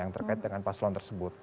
yang terkait dengan paslon tersebut